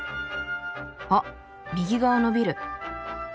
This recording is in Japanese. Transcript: あっ右側のビル。